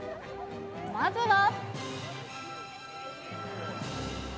まずは。